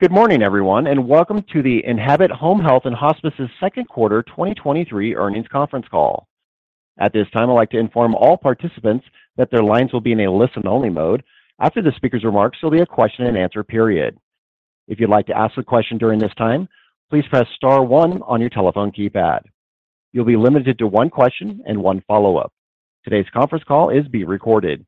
Good morning, everyone, and welcome to the Enhabit Home Health & Hospice's Second Quarter 2023 earnings conference call. At this time, I'd like to inform all participants that their lines will be in a listen-only mode. After the speaker's remarks, there'll be a question and answer period. If you'd like to ask a question during this time, please press star one on your telephone keypad. You'll be limited to one question and one follow-up. Today's conference call is being recorded.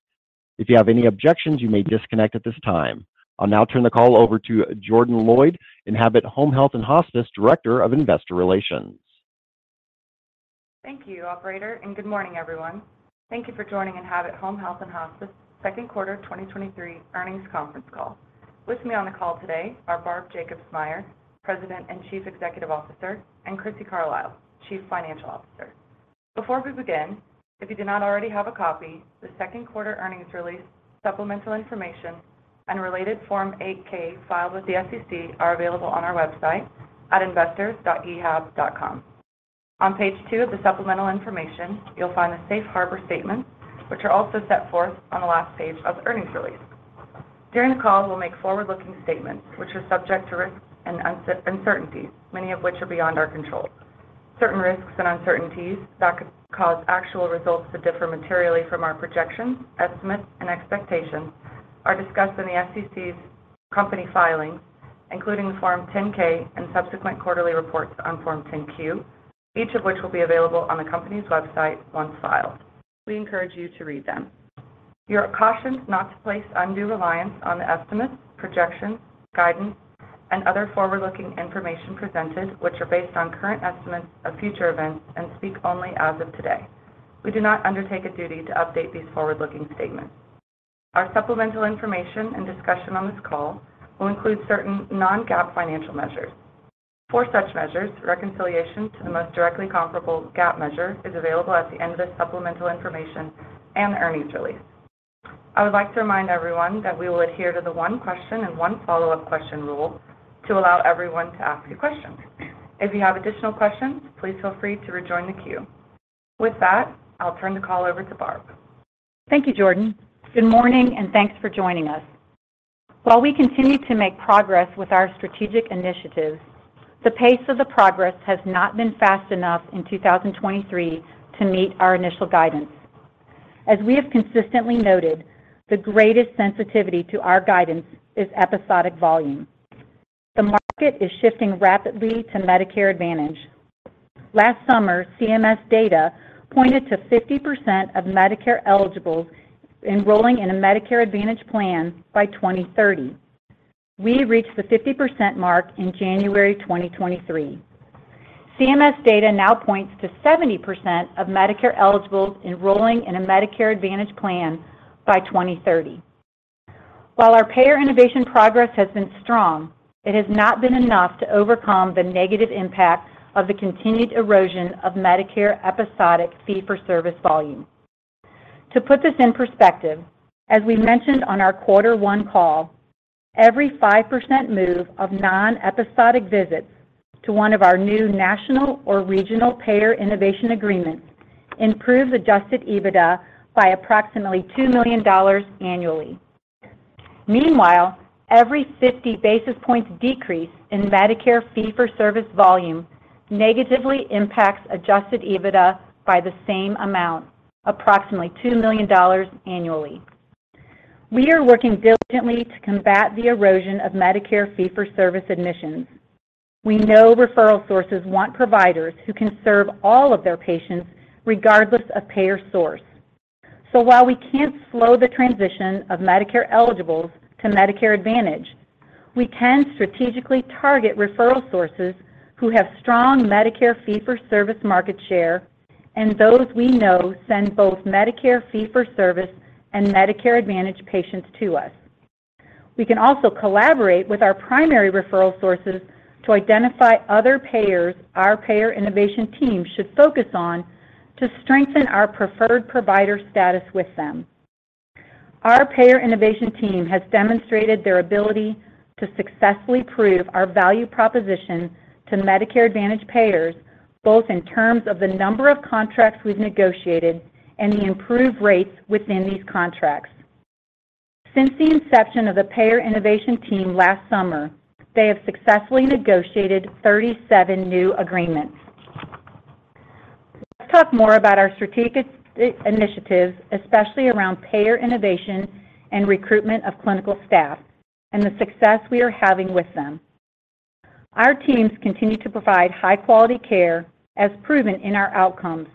If you have any objections, you may disconnect at this time. I'll now turn the call over to Jordan Loyd, Enhabit Home Health & Hospice, Director of Investor Relations. Thank you, Operator. Good morning, everyone. Thank you for joining Enhabit Home Health & Hospice's Second Quarter 2023 earnings conference call. With me on the call today are Barb Jacobsmeyer, President and Chief Executive Officer, and Crissy Carlisle, Chief Financial Officer. Before we begin, if you do not already have a copy, the Second Quarter earnings release, supplemental information, and related Form 8-K filed with the SEC are available on our website at investors.ehab.com. On page two of the supplemental information, you'll find the safe harbor statement, which are also set forth on the last page of the earnings release. During the call, we'll make forward-looking statements, which are subject to risks and uncertainties, many of which are beyond our control. Certain risks and uncertainties that could cause actual results to differ materially from our projections, estimates, and expectations are discussed in the SEC's company filings, including Form 10-K and subsequent quarterly reports on Form 10-Q, each of which will be available on the company's website once filed. We encourage you to read them. You are cautioned not to place undue reliance on the estimates, projections, guidance, and other forward-looking information presented, which are based on current estimates of future events and speak only as of today. We do not undertake a duty to update these forward-looking statements. Our supplemental information and discussion on this call will include certain non-GAAP financial measures. For such measures, reconciliation to the most directly comparable GAAP measure is available at the end of this supplemental information and the earnings release. I would like to remind everyone that we will adhere to the one question and one follow-up question rule to allow everyone to ask a question. If you have additional questions, please feel free to rejoin the queue. With that, I'll turn the call over to Barb. Thank you, Jordan. Good morning, and thanks for joining us. While we continue to make progress with our strategic initiatives, the pace of the progress has not been fast enough in 2023 to meet our initial guidance. As we have consistently noted, the greatest sensitivity to our guidance is episodic volume. The market is shifting rapidly to Medicare Advantage. Last summer, CMS data pointed to 50% of Medicare-eligibles enrolling in a Medicare Advantage plan by 2030. We reached the 50% mark in January 2023. CMS data now points to 70% of Medicare-eligibles enrolling in a Medicare Advantage plan by 2030. While our payer innovation progress has been strong, it has not been enough to overcome the negative impact of the continued erosion of Medicare episodic fee-for-service volume. To put this in perspective, as we mentioned on our Quarter One call, every 5% move of non-episodic visits to one of our new national or regional payer innovation agreements improves adjusted EBITDA by approximately $2 million annually. Meanwhile, every 50 basis points decrease in Medicare fee-for-service volume negatively impacts adjusted EBITDA by the same amount, approximately $2 million annually. We are working diligently to combat the erosion of Medicare fee-for-service admissions. We know referral sources want providers who can serve all of their patients, regardless of payer source. While we can't slow the transition of Medicare-eligibles to Medicare Advantage, we can strategically target referral sources who have strong Medicare fee-for-service market share and those we know send both Medicare fee-for-service and Medicare Advantage patients to us. We can also collaborate with our primary referral sources to identify other payers our payer innovation team should focus on to strengthen our preferred provider status with them. Our payer innovation team has demonstrated their ability to successfully prove our value proposition to Medicare Advantage payers, both in terms of the number of contracts we've negotiated and the improved rates within these contracts. Since the inception of the payer innovation team last summer, they have successfully negotiated 37 new agreements. Let's talk more about our strategic initiatives, especially around payer innovation and recruitment of clinical staff, and the success we are having with them. Our teams continue to provide high-quality care, as proven in our outcomes.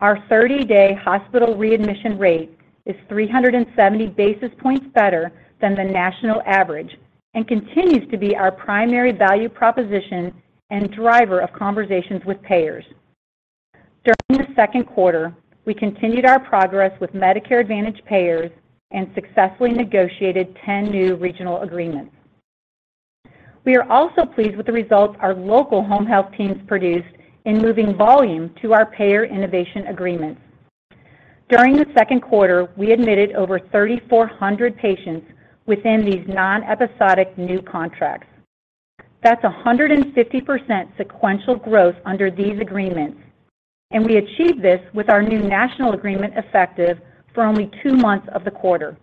Our 30-day hospital readmission rate is 370 basis points better than the national average and continues to be our primary value proposition and driver of conversations with payers. During the second quarter, we continued our progress with Medicare Advantage payers and successfully negotiated 10 new regional agreements. We are also pleased with the results our local home health teams produced in moving volume to our payer innovation agreements. During the second quarter, we admitted over 3,400 patients within these non-episodic new contracts. That's 150% sequential growth under these agreements, and we achieved this with our new national agreement effective for only two months of the quarter.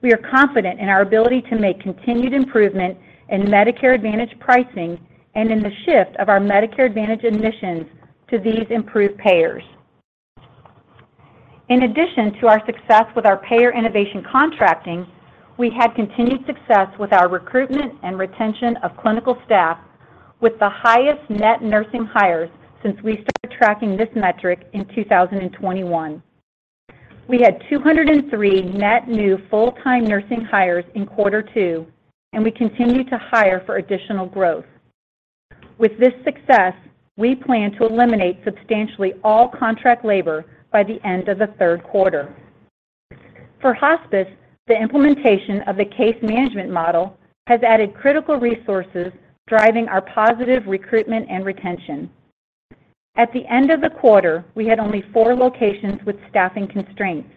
We are confident in our ability to make continued improvement in Medicare Advantage pricing and in the shift of our Medicare Advantage admissions to these improved payers. In addition to our success with our payer innovation contracting, we had continued success with our recruitment and retention of clinical staff, with the highest net nursing hires since we started tracking this metric in 2021. We had 203 net new full-time nursing hires in 2Q, and we continue to hire for additional growth. With this success, we plan to eliminate substantially all contract labor by the end of the third quarter. For hospice, the implementation of the case management model has added critical resources, driving our positive recruitment and retention. At the end of the quarter, we had only four locations with staffing constraints.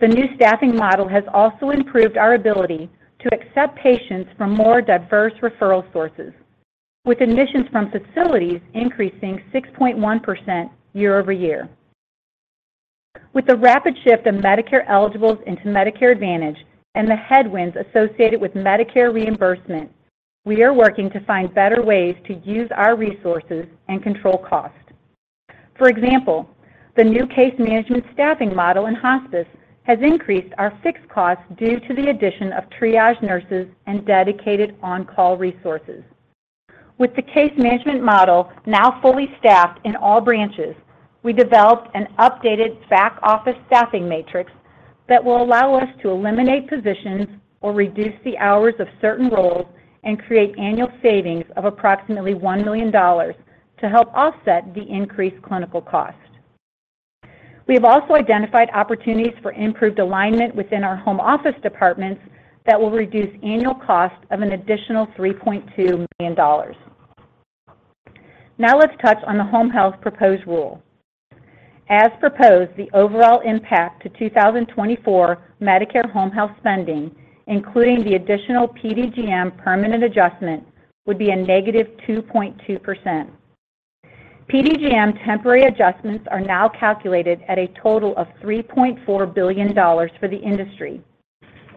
The new staffing model has also improved our ability to accept patients from more diverse referral sources, with admissions from facilities increasing 6.1% year-over-year. With the rapid shift of Medicare-eligibles into Medicare Advantage and the headwinds associated with Medicare reimbursement, we are working to find better ways to use our resources and control costs. For example, the new case management model in hospice has increased our fixed costs due to the addition of triage nurses and dedicated on-call resources. With the case management model now fully staffed in all branches, we developed an updated back-office staffing matrix that will allow us to eliminate positions or reduce the hours of certain roles and create annual savings of approximately $1 million to help offset the increased clinical costs. We have also identified opportunities for improved alignment within our home office departments that will reduce annual costs of an additional $3.2 million. Now, let's touch on the home health proposed rule. As proposed, the overall impact to 2024 Medicare home health spending, including the additional PDGM permanent adjustment, would be a -2.2%. PDGM temporary adjustments are now calculated at a total of $3.4 billion for the industry,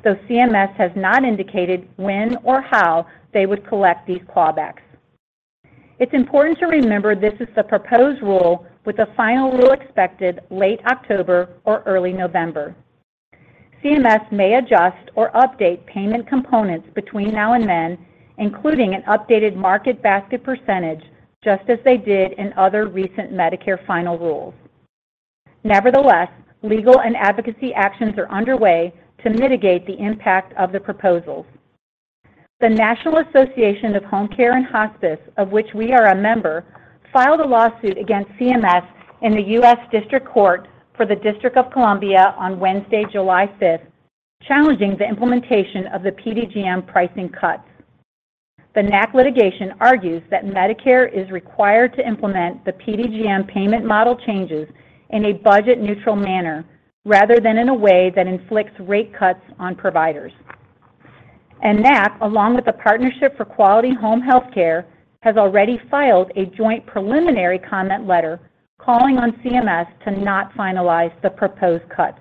though CMS has not indicated when or how they would collect these clawbacks. It's important to remember this is the proposed rule, with the final rule expected late October or early November. CMS may adjust or update payment components between now and then, including an updated market basket percentage, just as they did in other recent Medicare final rules. Nevertheless, legal and advocacy actions are underway to mitigate the impact of the proposals. The National Association for Home Care & Hospice, of which we are a member, filed a lawsuit against CMS in the US District Court for the District of Columbia on Wednesday, July 5th, challenging the implementation of the PDGM pricing cuts. The NAHC litigation argues that Medicare is required to implement the PDGM payment model changes in a budget-neutral manner, rather than in a way that inflicts rate cuts on providers. NAHC, along with the Partnership for Quality Home Healthcare, has already filed a joint preliminary comment letter calling on CMS to not finalize the proposed cuts.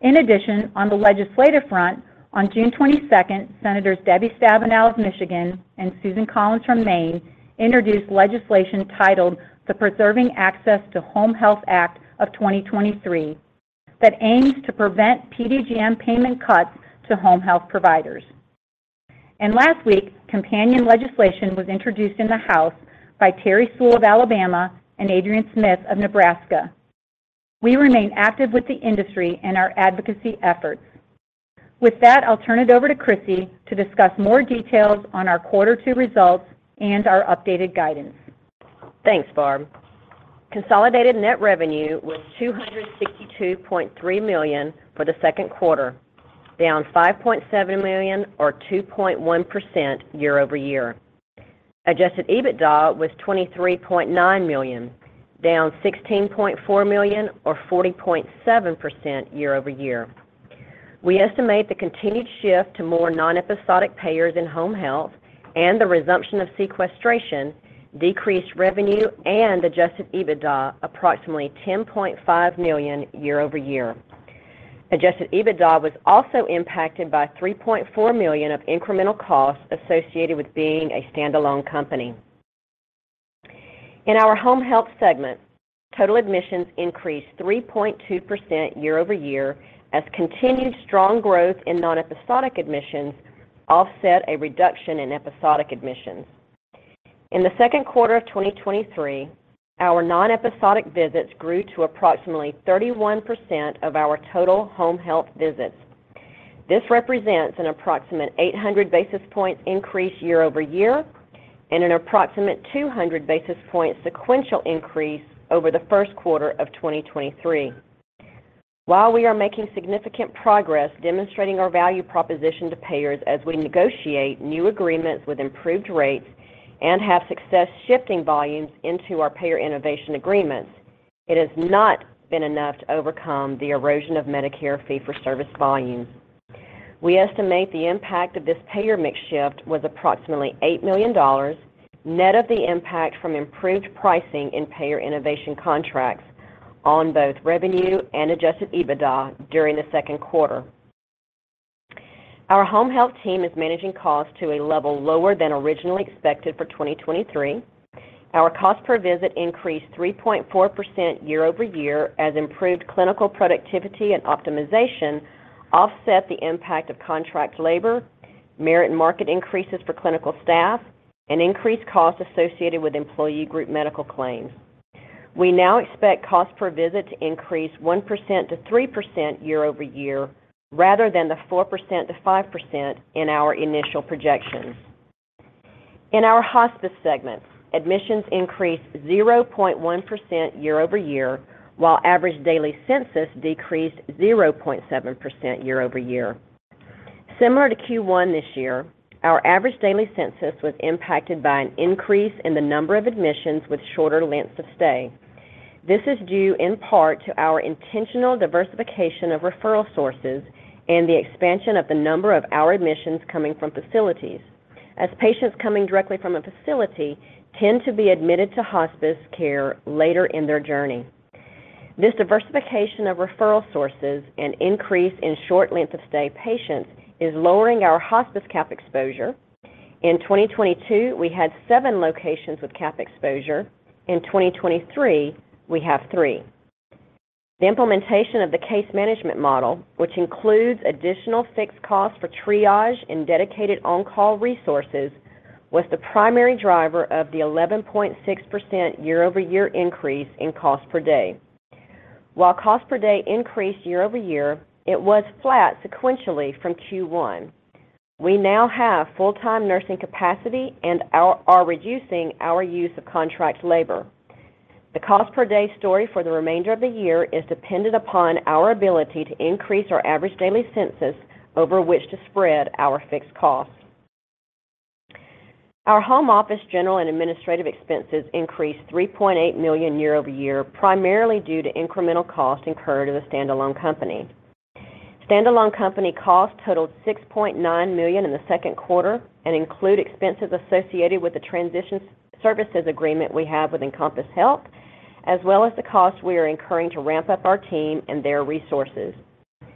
In addition, on the legislative front, on June 22nd, Senators Debbie Stabenow of Michigan and Susan Collins from Maine introduced legislation titled the Preserving Access to Home Health Act of 2023, that aims to prevent PDGM payment cuts to home health providers. Last week, companion legislation was introduced in the House by Terri Sewell of Alabama and Adrian Smith of Nebraska. We remain active with the industry and our advocacy efforts. With that, I'll turn it over to Crissy to discuss more details on our quarter two results and our updated guidance. Thanks, Barb. Consolidated net revenue was $262.3 million for the second quarter, down $5.7 million or 2.1% year-over-year. Adjusted EBITDA was $23.9 million, down $16.4 million or 40.7% year-over-year. We estimate the continued shift to more non-episodic payers in home health and the resumption of sequestration, decreased revenue and adjusted EBITDA approximately $10.5 million year-over-year. Adjusted EBITDA was also impacted by $3.4 million of incremental costs associated with being a standalone company. In our home health segment, total admissions increased 3.2% year-over-year, as continued strong growth in non-episodic admissions offset a reduction in episodic admissions. In the second quarter of 2023, our non-episodic visits grew to approximately 31% of our total home health visits. This represents an approximate 800 basis points increase year-over-year and an approximate 200 basis points sequential increase over the first quarter of 2023. While we are making significant progress demonstrating our value proposition to payers as we negotiate new agreements with improved rates and have success shifting volumes into our payer innovation agreements, it has not been enough to overcome the erosion of Medicare fee-for-service volumes. We estimate the impact of this payer mix shift was approximately $8 million, net of the impact from improved pricing in payer innovation contracts on both revenue and adjusted EBITDA during the second quarter. Our home health team is managing costs to a level lower than originally expected for 2023. Our cost per visit increased 3.4% year-over-year, as improved clinical productivity and optimization offset the impact of contract labor, merit and market increases for clinical staff, and increased costs associated with employee group medical claims. We now expect cost per visit to increase 1%-3% year-over-year, rather than the 4%-5% in our initial projections. In our hospice segment, admissions increased 0.1% year-over-year, while average daily census decreased 0.7% year-over-year. Similar to Q1 this year, our average daily census was impacted by an increase in the number of admissions with shorter lengths of stay. This is due in part to our intentional diversification of referral sources and the expansion of the number of our admissions coming from facilities. As patients coming directly from a facility tend to be admitted to hospice care later in their journey. This diversification of referral sources and increase in short length of stay patients is lowering our hospice cap exposure. In 2022, we had seven locations with cap exposure. In 2023, we have three. The implementation of the case management model, which includes additional fixed costs for triage and dedicated on-call resources, was the primary driver of the 11.6% year-over-year increase in cost per day. While cost per day increased year-over-year, it was flat sequentially from Q1. We now have full-time nursing capacity and are reducing our use of contract labor. The cost per day story for the remainder of the year is dependent upon our ability to increase our average daily census over which to spread our fixed costs. Our home office, general, and administrative expenses increased $3.8 million year-over-year, primarily due to incremental costs incurred in the standalone company. Standalone company costs totaled $6.9 million in the second quarter and include expenses associated with the transition services agreement we have with Encompass Health, as well as the costs we are incurring to ramp up our team and their resources.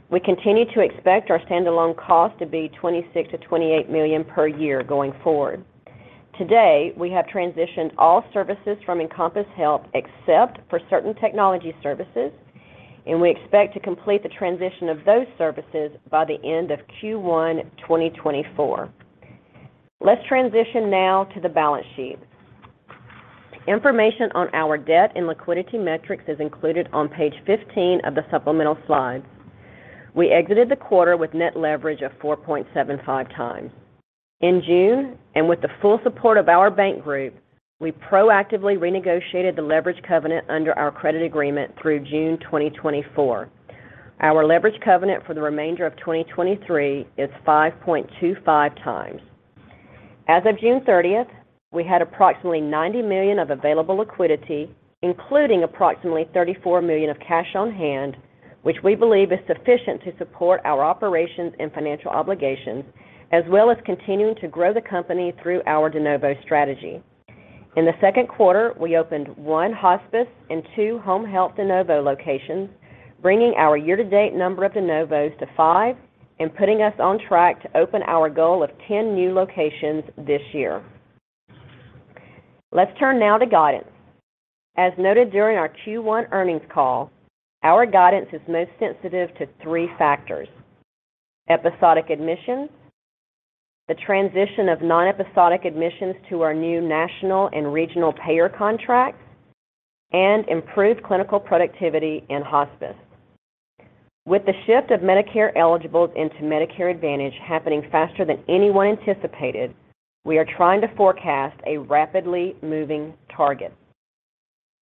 We continue to expect our standalone cost to be $26 million-$28 million per year going forward. Today, we have transitioned all services from Encompass Health, except for certain technology services, and we expect to complete the transition of those services by the end of Q1, 2024. Let's transition now to the balance sheet. Information on our debt and liquidity metrics is included on page 15 of the supplemental slides. We exited the quarter with net leverage of 4.75x. In June, with the full support of our bank group, we proactively renegotiated the leverage covenant under our credit agreement through June 2024. Our leverage covenant for the remainder of 2023 is 5.25x. As of June 30th, we had approximately $90 million of available liquidity, including approximately $34 million of cash on hand, which we believe is sufficient to support our operations and financial obligations, as well as continuing to grow the company through our de novo strategy. In the second quarter, we opened one hospice and two home health de novo locations, bringing our year-to-date number of de novos to five and putting us on track to open our goal of 10 new locations this year. Let's turn now to guidance. As noted during our Q1 earnings call, our guidance is most sensitive to three factors: episodic admissions, the transition of non-episodic admissions to our new national and regional payer contracts, and improved clinical productivity in hospice. With the shift of Medicare eligibles into Medicare Advantage happening faster than anyone anticipated, we are trying to forecast a rapidly moving target.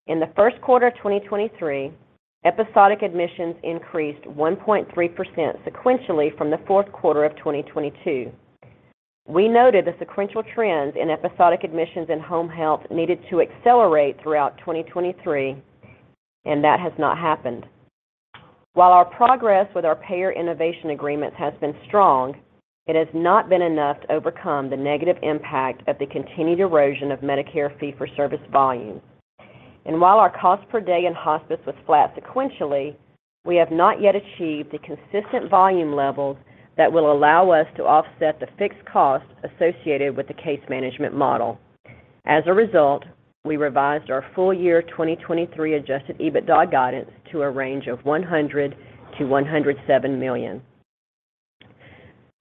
In the first quarter of 2023, episodic admissions increased 1.3% sequentially from the fourth quarter of 2022. We noted the sequential trends in episodic admissions and home health needed to accelerate throughout 2023, and that has not happened. While our progress with our payer innovation agreements has been strong, it has not been enough to overcome the negative impact of the continued erosion of Medicare fee-for-service volumes. While our cost per day in hospice was flat sequentially, we have not yet achieved the consistent volume levels that will allow us to offset the fixed costs associated with the case management model. As a result, we revised our full year 2023 adjusted EBITDA guidance to a range of $100 million-$107 million.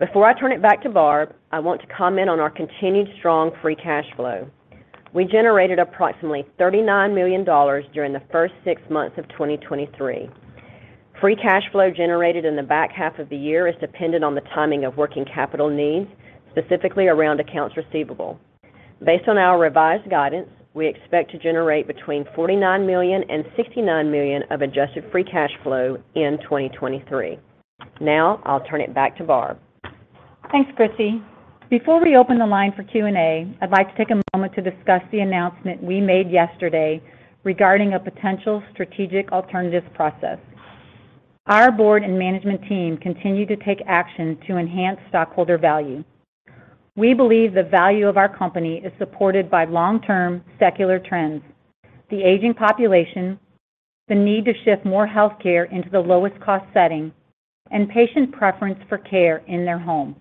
Before I turn it back to Barb, I want to comment on our continued strong free cash flow. We generated approximately $39 million during the first six months of 2023. Free cash flow generated in the back half of the year is dependent on the timing of working capital needs, specifically around accounts receivable. Based on our revised guidance, we expect to generate between $49 million and $69 million of adjusted free cash flow in 2023. Now, I'll turn it back to Barb. Thanks, Crissy. Before we open the line for Q&A, I'd like to take a moment to discuss the announcement we made yesterday regarding a potential strategic alternatives process. Our board and management team continue to take action to enhance stockholder value. We believe the value of our company is supported by long-term secular trends, the aging population, the need to shift more healthcare into the lowest cost setting, and patient preference for care in their home.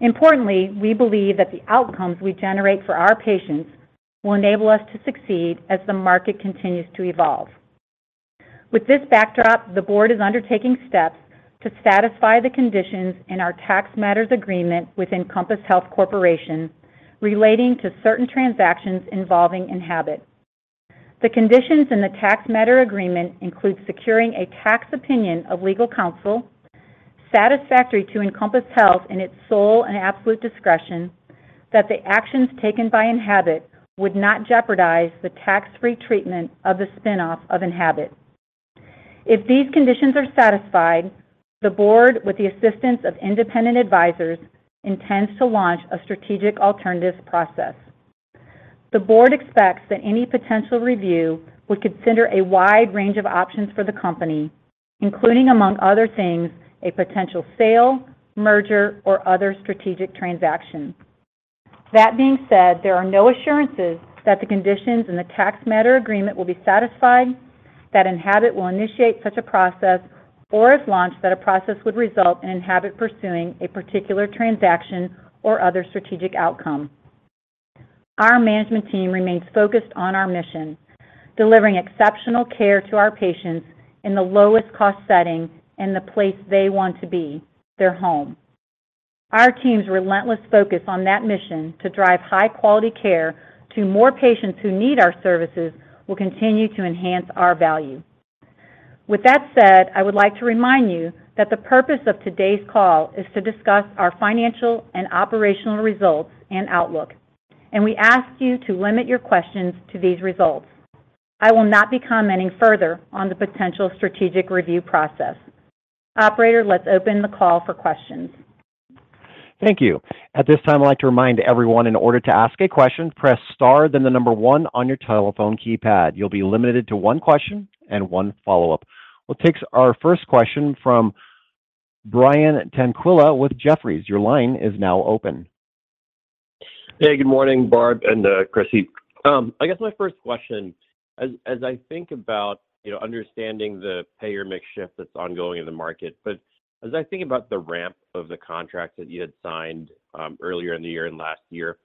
Importantly, we believe that the outcomes we generate for our patients will enable us to succeed as the market continues to evolve. With this backdrop, the board is undertaking steps to satisfy the conditions in our Tax Matters Agreement with Encompass Health Corporation, relating to certain transactions involving Enhabit. The conditions in the Tax Matters Agreement include securing a tax opinion of legal counsel, satisfactory to Encompass Health in its sole and absolute discretion, that the actions taken by Enhabit would not jeopardize the tax-free treatment of the spin-off of Enhabit. If these conditions are satisfied, the board, with the assistance of independent advisors, intends to launch a strategic alternatives process. The board expects that any potential review would consider a wide range of options for the company, including, among other things, a potential sale, merger, or other strategic transaction. That being said, there are no assurances that the conditions in the Tax Matters Agreement will be satisfied, that Enhabit will initiate such a process, or if launched, that a process would result in Enhabit pursuing a particular transaction or other strategic outcome. Our management team remains focused on our mission, delivering exceptional care to our patients in the lowest cost setting and the place they want to be, their home. Our team's relentless focus on that mission to drive high-quality care to more patients who need our services, will continue to enhance our value. With that said, I would like to remind you that the purpose of today's call is to discuss our financial and operational results and outlook. We ask you to limit your questions to these results. I will not be commenting further on the potential strategic review process. Operator, let's open the call for questions. Thank you. At this time, I'd like to remind everyone, in order to ask a question, press star, then one on your telephone keypad. You'll be limited to one question and one follow-up. We'll take our first question from Brian Tanquilut with Jefferies. Your line is now open. Hey, good morning, Barb and Crissy. I guess my first question, as, as I think about, you know, understanding the payer mix shift that's ongoing in the market, but as I think about the ramp of the contract that you had signed, earlier in the year and last year,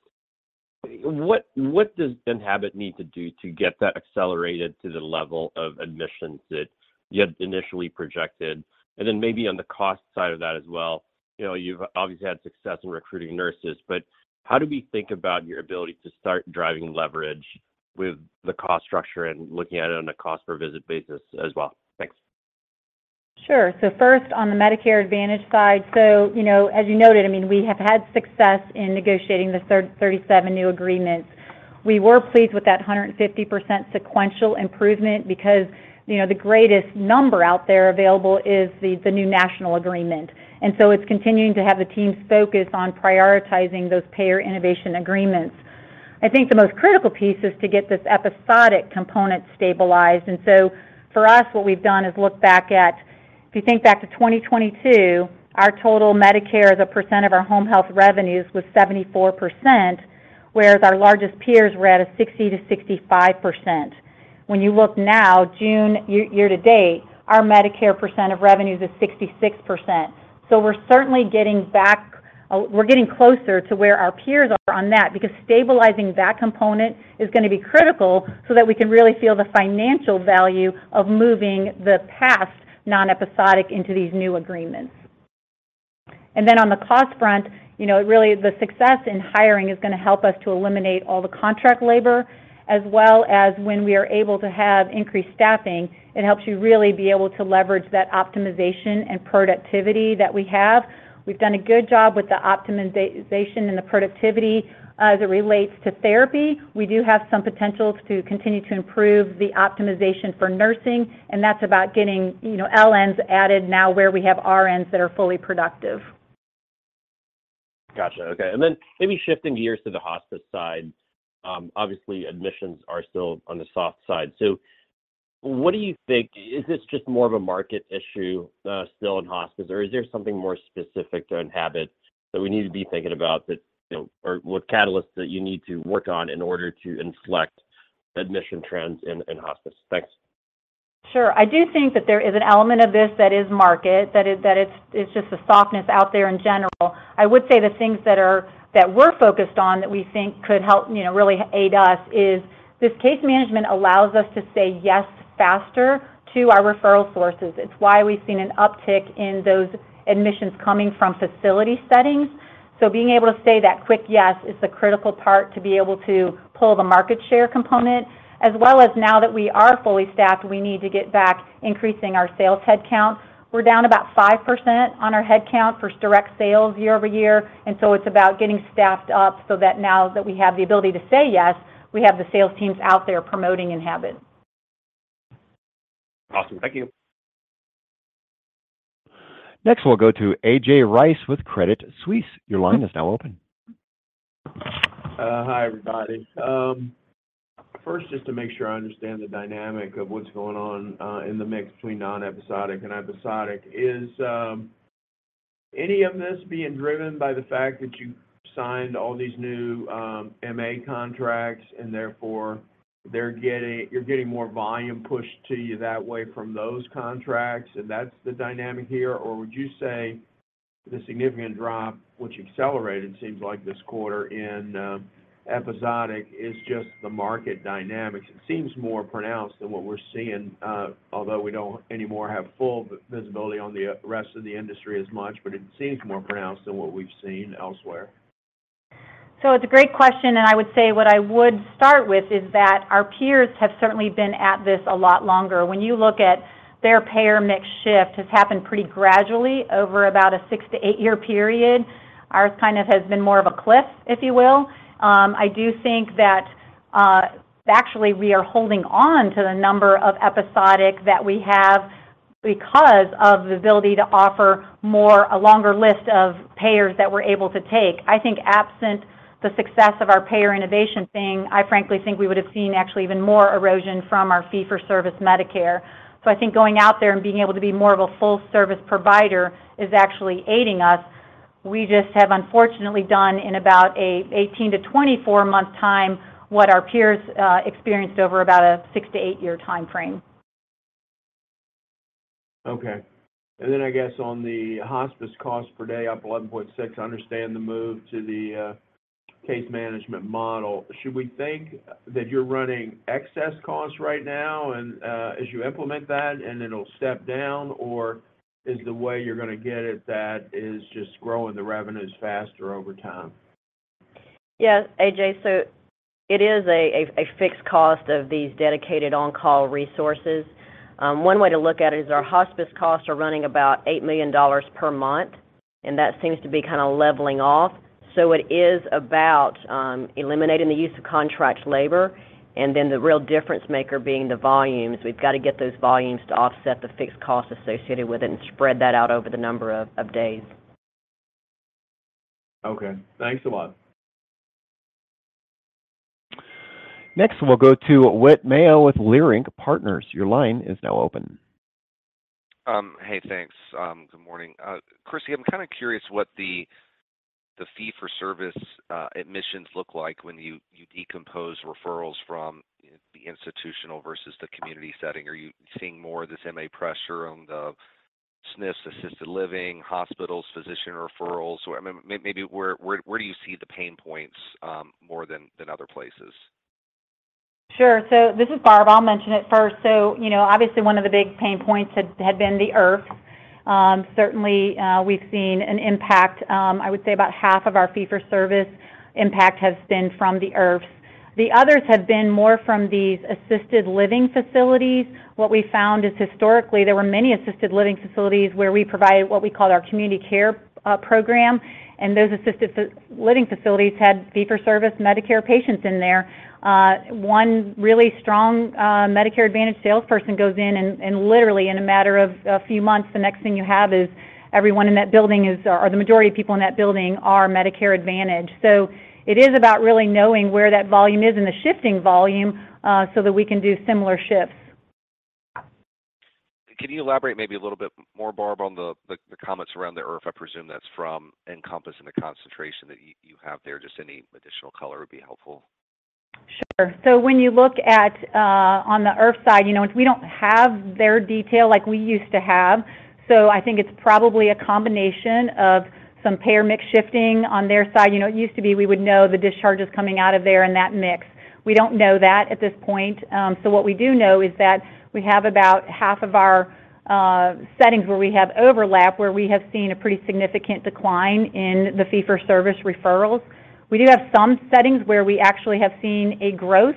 what, what does Enhabit need to do to get that accelerated to the level of admissions that you had initially projected? Then maybe on the cost side of that as well, you know, you've obviously had success in recruiting nurses, but how do we think about your ability to start driving leverage with the cost structure and looking at it on a cost per visit basis as well? Thanks. First, on the Medicare Advantage side, you know, I mean, we have had success in negotiating the 37 new agreements. We were pleased with that 150% sequential improvement because, you know, the greatest number out there available is the new national agreement. It's continuing to have the team's focus on prioritizing those payer innovation agreements. I think the most critical piece is to get this episodic component stabilized. For us, what we've done is look back at, if you think back to 2022, our total Medicare as a percent of our home health revenues was 74%, whereas our largest peers were at a 60%-65%. When you look now, June, year, year to date, our Medicare percent of revenues is 66%. We're certainly getting closer to where our peers are on that, because stabilizing that component is gonna be critical so that we can really feel the financial value of moving the past non-episodic into these new agreements. Then on the cost front, you know, really, the success in hiring is gonna help us to eliminate all the contract labor, as well as when we are able to have increased staffing, it helps you really be able to leverage that optimization and productivity that we have. We've done a good job with the optimization and the productivity, as it relates to therapy. We do have some potentials to continue to improve the optimization for nursing, and that's about getting, you know, LPNs added now where we have RNs that are fully productive. Got you. Okay. Maybe shifting gears to the hospice side, obviously, admissions are still on the soft side. What do you think, is this just more of a market issue, still in hospice, or is there something more specific to Enhabit that we need to be thinking about that, you know, or what catalysts that you need to work on in order to inflect admission trends in, in hospice? Thanks. Sure. I do think that there is an element of this that is market, that is, that it's, it's just a softness out there in general. I would say the things that we're focused on, that we think could help, you know, really aid us, is this case management allows us to say yes faster to our referral sources. It's why we've seen an uptick in those admissions coming from facility settings. Being able to say that quick yes, is the critical part to be able to pull the market share component, as well as now that we are fully staffed, we need to get back increasing our sales head count. We're down about 5% on our head count for direct sales year-over-year, and so it's about getting staffed up so that now that we have the ability to say yes, we have the sales teams out there promoting Enhabit. Awesome. Thank you. Next, we'll go to A.J. Rice with Credit Suisse. Your line is now open. Hi, everybody. First, just to make sure I understand the dynamic of what's going on in the mix between non-episodic and episodic. Is any of this being driven by the fact that you signed all these new MA contracts, and therefore, you're getting more volume pushed to you that way from those contracts, and that's the dynamic here? Or would you say the significant drop, which accelerated, seems like this quarter in episodic, is just the market dynamics? It seems more pronounced than what we're seeing, although we don't anymore have full visibility on the rest of the industry as much, but it seems more pronounced than what we've seen elsewhere. It's a great question, and I would say what I would start with is that our peers have certainly been at this a lot longer. When you look at their payer mix shift, has happened pretty gradually over about a six to eight-year period. Ours kind of has been more of a cliff, if you will. I do think that actually, we are holding on to the number of episodic that we have because of the ability to offer more, a longer list of payers that we're able to take. I think absent the success of our payer innovation thing, I frankly think we would have seen actually even more erosion from our fee-for-service Medicare. I think going out there and being able to be more of a full-service provider is actually aiding us. We just have, unfortunately, done in about a 18 to 24-month time, what our peers experienced over about a six to eight-year time frame. Okay. Then I guess on the hospice cost per day, up 11.6, I understand the move to the case management model. Should we think that you're running excess costs right now and, as you implement that, and it'll step down, or is the way you're gonna get it that is just growing the revenues faster over time? Yes, A.J. It is a, a, a fixed cost of these dedicated on-call resources. One way to look at it is our hospice costs are running about $8 million per month, and that seems to be kinda leveling off. It is about eliminating the use of contract labor, and then the real difference maker being the volumes. We've got to get those volumes to offset the fixed costs associated with it and spread that out over the number of days. Okay, thanks a lot. Next, we'll go to Whit Mayo with Leerink Partners. Your line is now open. Hey, thanks. Good morning. Crissy, I'm kinda curious what the fee-for-service admissions look like when you decompose referrals from the institutional versus the community setting. Are you seeing more of this MA pressure on the SNFs, assisted living, hospitals, physician referrals? Or may-maybe where, where, where do you see the pain points more than other places? Sure. This is Barb. I'll mention it first. You know, obviously one of the big pain points had, had been the IRF. Certainly, we've seen an impact. I would say about half of our fee-for-service impact has been from the IRFs. The others have been more from these assisted living facilities. What we found is historically, there were many assisted living facilities where we provided what we call our Community Care Program, and those assisted living facilities had fee-for-service Medicare patients in there. One really strong, Medicare Advantage salesperson goes in and, and literally, in a matter of a few months, the next thing you have is everyone in that building is, or the majority of people in that building are Medicare Advantage. It is about really knowing where that volume is and the shifting volume, so that we can do similar shifts. Can you elaborate maybe a little bit more, Barb, on the comments around the IRF? I presume that's from Encompass and the concentration that you have there. Just any additional color would be helpful. Sure. When you look at on the IRF side, you know, we don't have their detail like we used to have. I think it's probably a combination of some payer mix shifting on their side. You know, it used to be, we would know the discharges coming out of there and that mix. We don't know that at this point. What we do know is that we have about half of our settings where we have overlap, where we have seen a pretty significant decline in the fee-for-service referrals. We do have some settings where we actually have seen a growth.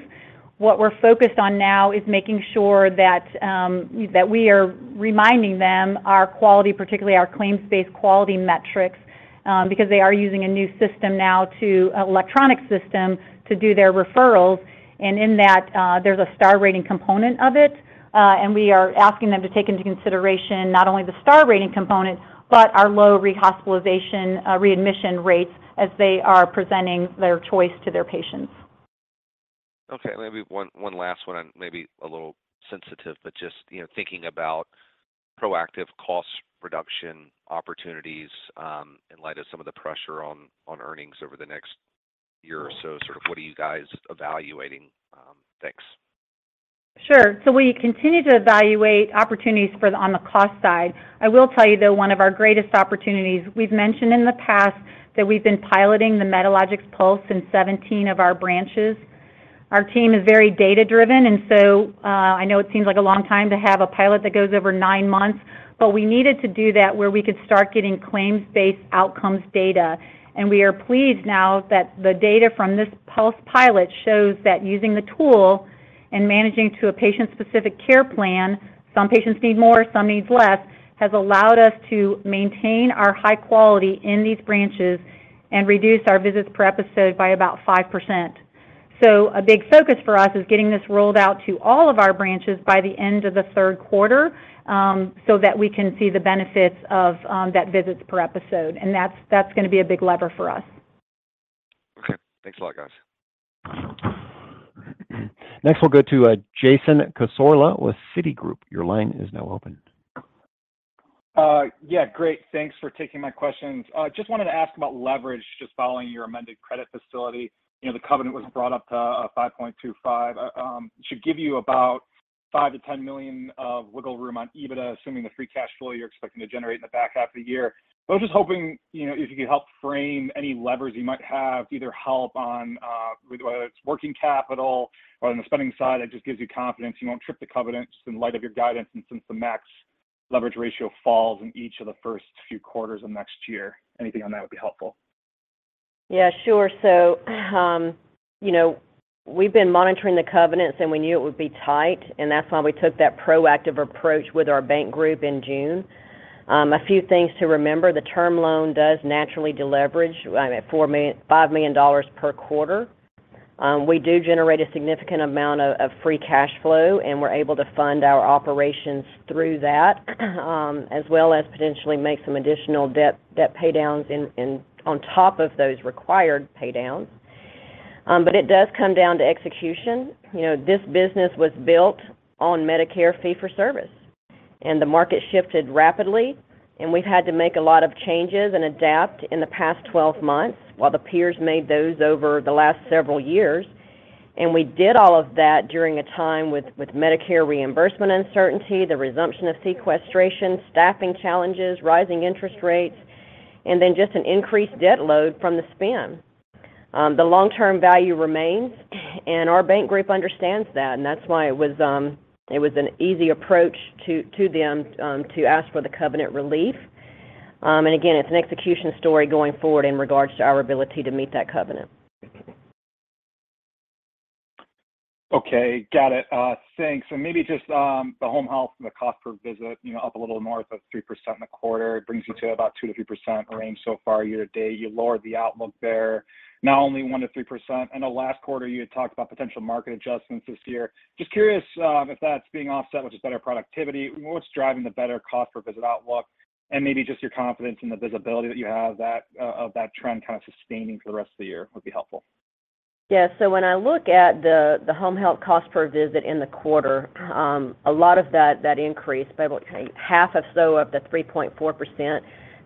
What we're focused on now is making sure that we are reminding them our quality, particularly our claims-based quality metrics, because they are using a new system now to... Electronic system to do their referrals, in that, there's a star rating component of it. We are asking them to take into consideration not only the star rating component, but our low rehospitalization, readmission rates as they are presenting their choice to their patients. Okay, maybe one, one last one, and maybe a little sensitive, but just, you know, thinking about proactive cost reduction opportunities, in light of some of the pressure on, on earnings over the next year or so, sort of, what are you guys evaluating? Thanks. Sure. We continue to evaluate opportunities for the, on the cost side. I will tell you, though, one of our greatest opportunities, we've mentioned in the past that we've been piloting the Medalogix Pulse in 17 of our branches. Our team is very data-driven, and so, I know it seems like a long time to have a pilot that goes over nine months, but we needed to do that where we could start getting claims-based outcomes data. We are pleased now that the data from this Pulse pilot shows that using the tool and managing to a patient-specific care plan, some patients need more, some needs less, has allowed us to maintain our high quality in these branches and reduce our visits per episode by about 5%. A big focus for us is getting this rolled out to all of our branches by the end of the third quarter, so that we can see the benefits of, that visits per episode, and that's, that's gonna be a big lever for us. Okay. Thanks a lot, guys. Next, we'll go to Jason Cassorla with Citigroup. Your line is now open. Yeah, great. Thanks for taking my questions. Just wanted to ask about leverage, just following your amended credit facility. You know, the covenant was brought up to 5.25. It should give you about $5 million-$10 million of wiggle room on EBITDA, assuming the free cash flow you're expecting to generate in the back half of the year. I was just hoping, you know, if you could help frame any levers you might have, either help on, with whether it's working capital or on the spending side, that just gives you confidence you won't trip the covenants in light of your guidance and since the max leverage ratio falls in each of the first few quarters of next year. Anything on that would be helpful. Yeah, sure. You know, we've been monitoring the covenants, and we knew it would be tight, and that's why we took that proactive approach with our bank group in June. A few things to remember, the term loan does naturally deleverage, I mean, $5 million per quarter. We do generate a significant amount of free cash flow, and we're able to fund our operations through that, as well as potentially make some additional debt paydowns on top of those required paydowns. It does come down to execution. You know, this business was built on Medicare fee-for-service, and the market shifted rapidly, and we've had to make a lot of changes and adapt in the past 12 months, while the peers made those over the last several years. We did all of that during a time with, with Medicare reimbursement uncertainty, the resumption of sequestration, staffing challenges, rising interest rates, and then just an increased debt load from the spin. The long-term value remains, and our bank group understands that, and that's why it was, it was an easy approach to, to them, to ask for the covenant relief. Again, it's an execution story going forward in regards to our ability to meet that covenant. Okay, got it. Thanks. Maybe just, the home health and the cost per visit, you know, up a little north of 3% in the quarter, it brings you to about 2%-3% range so far year to date. You lowered the outlook there, now only 1%-3%. I know last quarter you had talked about potential market adjustments this year. Just curious, if that's being offset with just better productivity? What's driving the better cost per visit outlook, and maybe just your confidence in the visibility that you have that, of that trend kind of sustaining for the rest of the year would be helpful. Yeah, so when I look at the, the home health cost per visit in the quarter, a lot of that, that increase by about half of the 3.4%,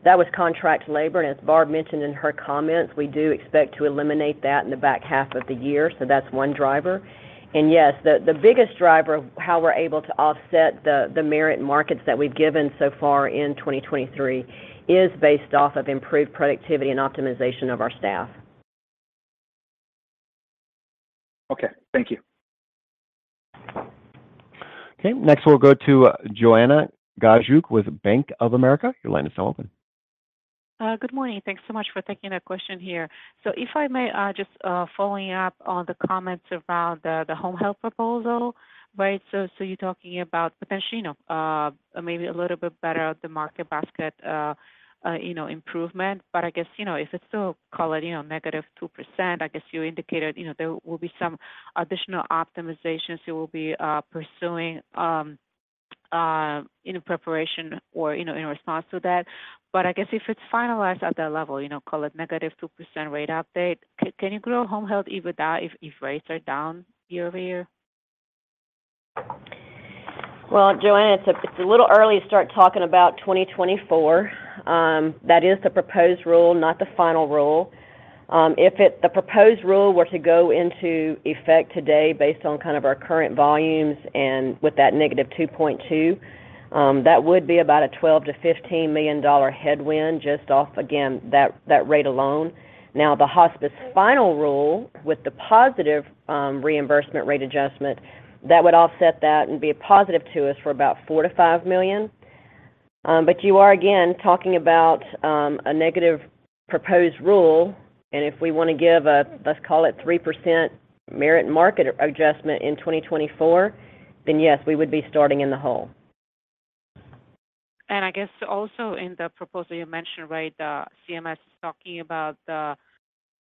that was contract labor, and as Barb mentioned in her comments, we do expect to eliminate that in the back half of the year. That's one driver. Yes, the, the biggest driver of how we're able to offset the, the merit markets that we've given so far in 2023 is based off of improved productivity and optimization of our staff. Okay, thank you. Okay, next we'll go to Joanna Gajuk with Bank of America. Your line is now open. Good morning. Thanks so much for taking the question here. If I may, just following up on the comments around the home health proposal, right? So you're talking about potentially, you know, maybe a little bit better the market basket, you know, improvement. I guess, you know, if it's still call it, you know, -2%, I guess you indicated, you know, there will be some additional optimizations you will be pursuing in preparation or, you know, in response to that. I guess if it's finalized at that level, you know, call it -2% rate update, can you grow home health even with that, if rates are down year-over-year? Well, Joanna, it's a little early to start talking about 2024. That is the proposed rule, not the final rule. If it, the proposed rule were to go into effect today based on kind of our current volumes and with that -2.2%, that would be about a $12 million-$15 million headwind just off, again, that, that rate alone. Now, the hospice final rule with the positive reimbursement rate adjustment, that would offset that and be a positive to us for about $4 million-$5 million. You are again talking about a negative proposed rule, and if we wanna give a, let's call it 3% merit market adjustment in 2024, then yes, we would be starting in the hole. I guess also in the proposal you mentioned, right, the CMS talking about the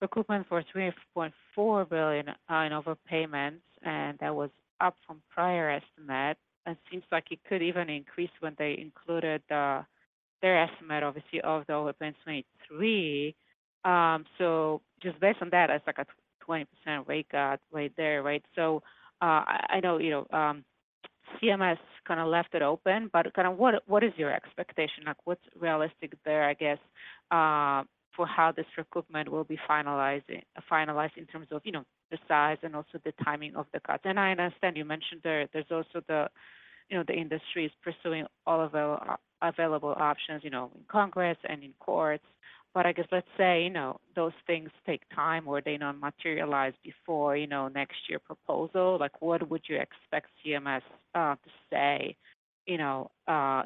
recruitment for $3.4 billion in overpayments, and that was up from prior estimate. It seems like it could even increase when they included their estimate, obviously, of the overpayments in 2023. Just based on that, it's like a 20% rate cut rate there, right? I, I know, you know, CMS kind of left it open, but kind of what, what is your expectation? Like, what's realistic there, I guess, for how this recruitment will be finalizing-- finalized in terms of, you know, the size and also the timing of the cut? I understand you mentioned there, there's also the, you know, the industry is pursuing all available options, you know, in Congress and in courts. I guess, let's say, you know, those things take time or they don't materialize before, you know, next year proposal. Like, what would you expect CMS to say, you know,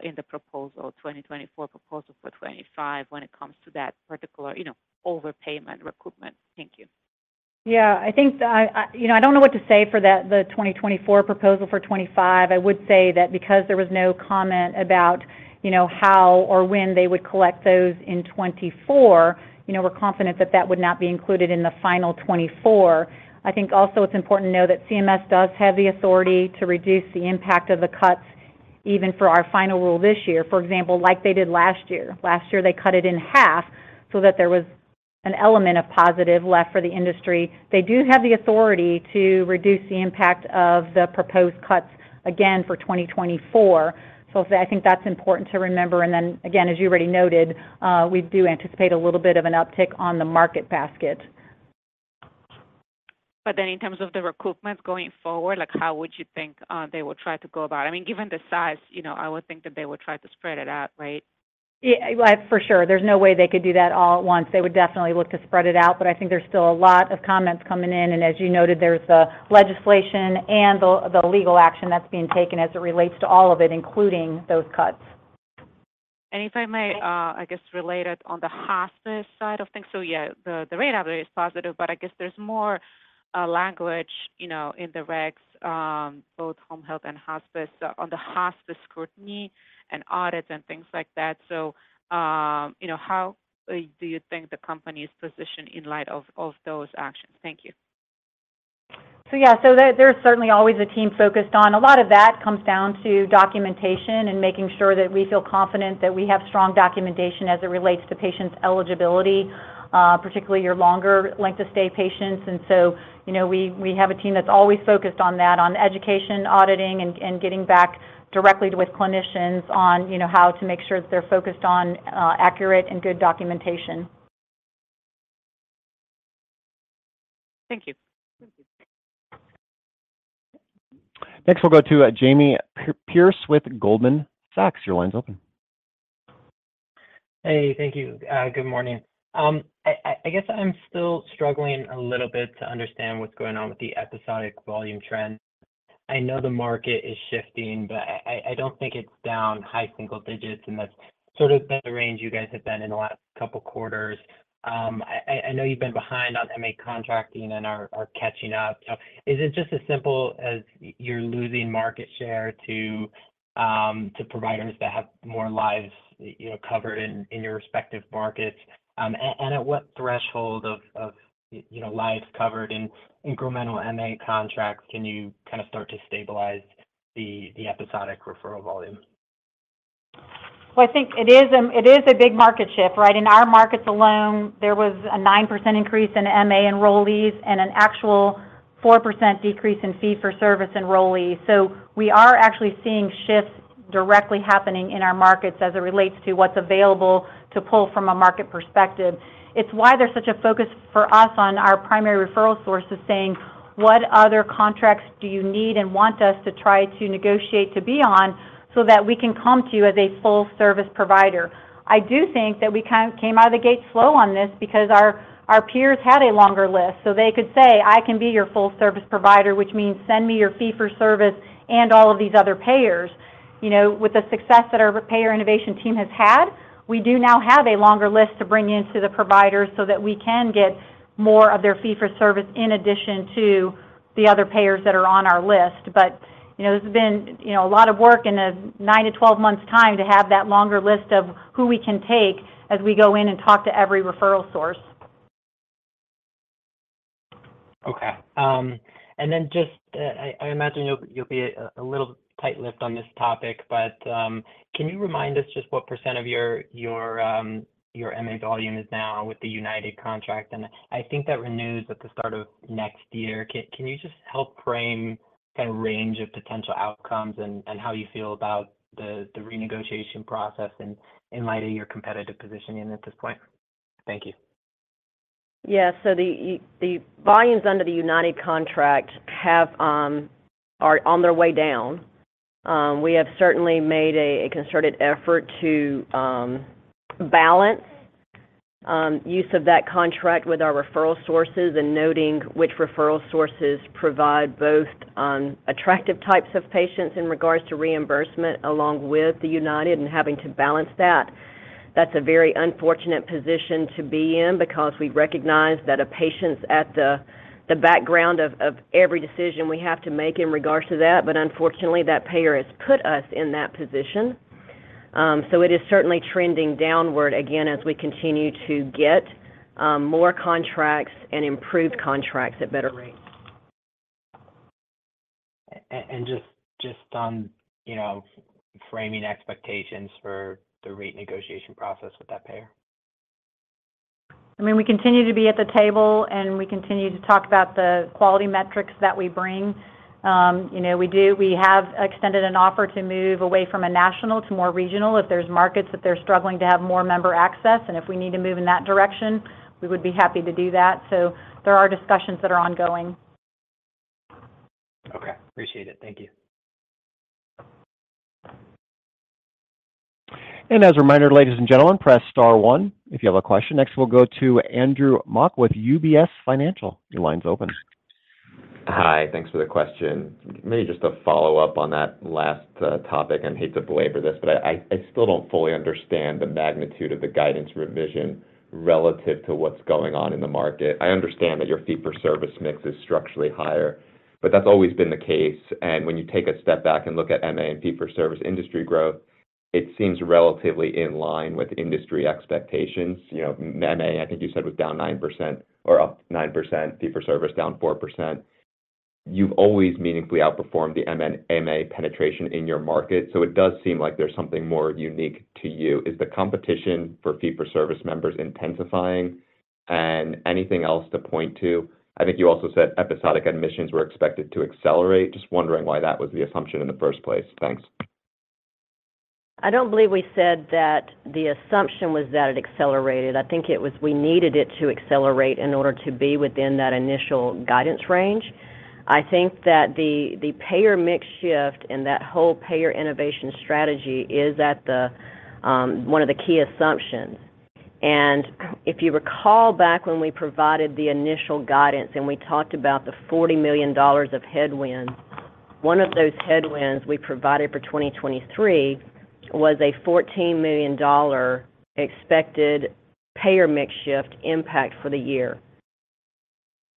in the proposal, 2024 proposal for 2025, when it comes to that particular, you know, overpayment recruitment? Thank you. Yeah, I think, you know, I don't know what to say for that the 2024 proposal for 2025. I would say that because there was no comment about, you know, how or when they would collect those in 2024, you know, we're confident that that would not be included in the final 2024. I think also it's important to know that CMS does have the authority to reduce the impact of the cuts, even for our final rule this year, for example, like they did last year. Last year, they cut it in half so that there was an element of positive left for the industry. They do have the authority to reduce the impact of the proposed cuts again for 2024. I think that's important to remember, and then again, as you already noted, we do anticipate a little bit of an uptick on the market basket. Then in terms of the recoupments going forward, like, how would you think they will try to go about? I mean, given the size, you know, I would think that they would try to spread it out, right? Yeah, well, for sure. There's no way they could do that all at once. They would definitely look to spread it out. I think there's still a lot of comments coming in. As you noted, there's the legislation and the legal action that's being taken as it relates to all of it, including those cuts. If I may, I guess, related on the hospice side of things. Yeah, the, the rate average is positive, but I guess there's more language, you know, in the regs, both home health and hospice, on the hospice scrutiny and audits and things like that. How, you know, do you think the company is positioned in light of those actions? Thank you. Yeah, so there, there's certainly always a team focused on. A lot of that comes down to documentation and making sure that we feel confident that we have strong documentation as it relates to patients' eligibility, particularly your longer length of stay patients. You know, we, we have a team that's always focused on that, on education, auditing, and, and getting back directly with clinicians on, you know, how to make sure that they're focused on, accurate and good documentation. Thank you. Next, we'll go to Jamie Perse with Goldman Sachs. Your line's open. Hey, thank you. Good morning. I guess I'm still struggling a little bit to understand what's going on with the episodic volume trend. I know the market is shifting, but I don't think it's down high single digits, and that's sort of been the range you guys have been in the last couple quarters. I know you've been behind on MA contracting and are catching up. Is it just as simple as you're losing market share to providers that have more lives, you know, covered in your respective markets? At what threshold of, you know, lives covered in incremental MA contracts can you kind of start to stabilize the episodic referral volume? Well, I think it is, it is a big market shift, right? In our markets alone, there was a 9% increase in MA enrollees and an actual 4% decrease in fee-for-service enrollees. We are actually seeing shifts directly happening in our markets as it relates to what's available to pull from a market perspective. It's why there's such a focus for us on our primary referral sources, saying: What other contracts do you need and want us to try to negotiate to be on so that we can come to you as a full-service provider? I do think that we kind of came out of the gate slow on this because our, our peers had a longer list, so they could say, "I can be your full-service provider, which means send me your fee-for-service and all of these other payers." You know, with the success that our payer innovation team has had, we do now have a longer list to bring in to the providers so that we can get more of their fee-for-service in addition to the other payers that are on our list. You know, this has been, you know, a lot of work in a nine to 12 months time to have that longer list of who we can take as we go in and talk to every referral source. Okay, and then just, I, I imagine you'll, you'll be a little tight-lipped on this topic, but, can you remind us just what percent of your, your, your MA volume is now with the UnitedHealthcare contract? I think that renews at the start of next year. Can you just help frame the range of potential outcomes and how you feel about the renegotiation process in light of your competitive positioning at this point? Thank you. Yeah, the volumes under the UnitedHealthcare contract have, are on their way down. We have certainly made a, a concerted effort to balance use of that contract with our referral sources and noting which referral sources provide both attractive types of patients in regards to reimbursement, along with the United, and having to balance that. That's a very unfortunate position to be in because we recognize that a patient's at the, the background of, of every decision we have to make in regards to that, but unfortunately, that payer has put us in that position. It is certainly trending downward, again, as we continue to get more contracts and improve contracts at better rates. Just on, you know, framing expectations for the rate negotiation process with that payer. I mean, we continue to be at the table, we continue to talk about the quality metrics that we bring. You know, We have extended an offer to move away from a national to more regional. If there's markets that they're struggling to have more member access, and if we need to move in that direction, we would be happy to do that. There are discussions that are ongoing. Okay, appreciate it. Thank you. As a reminder, ladies and gentlemen, press star one if you have a question. Next, we'll go to Andrew Mok with UBS Financial. Your line's open. Hi, thanks for the question. Maybe just a follow-up on that last topic, and I hate to belabor this, but I, I, I still don't fully understand the magnitude of the guidance revision relative to what's going on in the market. I understand that your fee-for-service mix is structurally higher, but that's always been the case, and when you take a step back and look at MA and fee-for-service industry growth, It seems relatively in line with industry expectations. You know, MA, I think you said, was down 9% or up 9%, fee-for-service down 4%. You've always meaningfully outperformed the MA penetration in your market, so it does seem like there's something more unique to you. Is the competition for fee-for-service members intensifying? Anything else to point to? I think you also said episodic admissions were expected to accelerate. Just wondering why that was the assumption in the first place. Thanks. I don't believe we said that the assumption was that it accelerated. I think it was we needed it to accelerate in order to be within that initial guidance range. I think that the payer mix shift and that whole payer innovation strategy is at one of the key assumptions. If you recall back when we provided the initial guidance, and we talked about the $40 million of headwind, one of those headwinds we provided for 2023 was a $14 million expected payer mix shift impact for the year.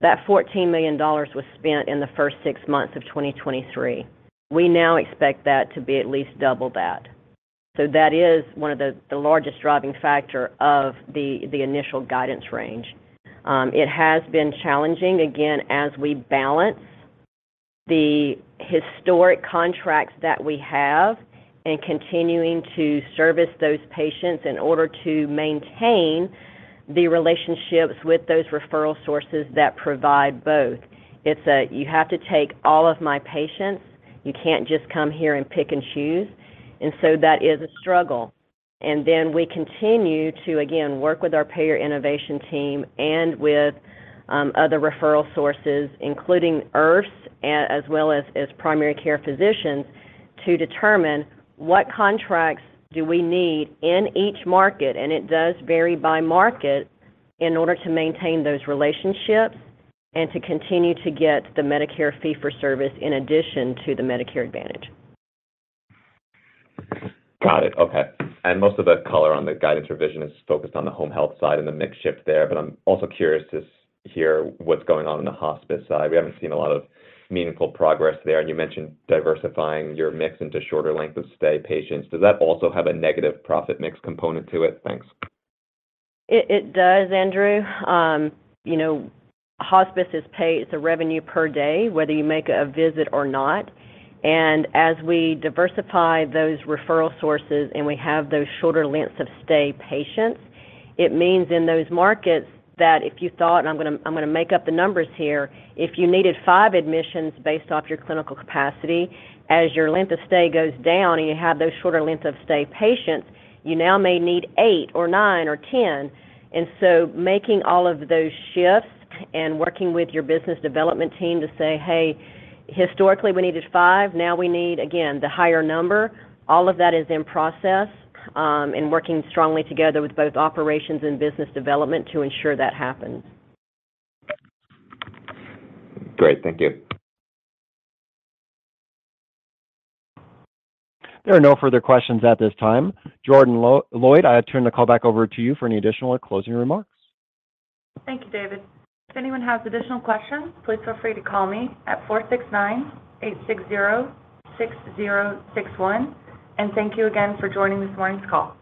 That $14 million was spent in the first six months of 2023. We now expect that to be at least double that. That is one of the largest driving factor of the initial guidance range. It has been challenging, again, as we balance the historic contracts that we have and continuing to service those patients in order to maintain the relationships with those referral sources that provide both. It's a, "You have to take all of my patients. You can't just come here and pick and choose." That is a struggle. We continue to, again, work with our payer innovation team and with other referral sources, including IRFs, as well as primary care physicians, to determine what contracts do we need in each market, and it does vary by market, in order to maintain those relationships and to continue to get the Medicare fee-for-service in addition to the Medicare Advantage. Got it. Okay. Most of the color on the guidance revision is focused on the home health side and the mix shift there, but I'm also curious to hear what's going on in the hospice side. We haven't seen a lot of meaningful progress there, and you mentioned diversifying your mix into shorter length of stay patients. Does that also have a negative profit mix component to it? Thanks. It, it does, Andrew. you know, hospice is paid, it's a revenue per day, whether you make a visit or not. As we diversify those referral sources and we have those shorter lengths of stay patients, it means in those markets that if you thought, and I'm gonna, I'm gonna make up the numbers here, if you needed five admissions based off your clinical capacity, as your length of stay goes down and you have those shorter length of stay patients, you now may need eight or nine or 10. Making all of those shifts and working with your business development team to say, "Hey, historically, we needed five, now we need, again, the higher number," all of that is in process, and working strongly together with both operations and business development to ensure that happens. Great. Thank you. There are no further questions at this time. Jordan Loyd, I turn the call back over to you for any additional or closing remarks. Thank you, David. If anyone has additional questions, please feel free to call me at 469-860-6061, and thank you again for joining this morning's call.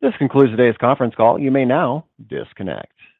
This concludes today's conference call. You may now disconnect.